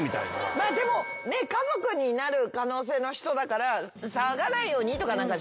まあでも家族になる可能性の人だから騒がないようにとかしてたんじゃない？